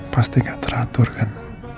pasti gak teratur kan